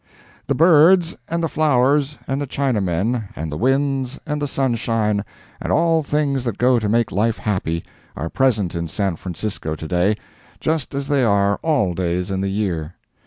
The birds, and the flowers, and the Chinamen, and the winds, and the sunshine, and all things that go to make life happy, are present in San Francisco to day, just as they are all days in the year.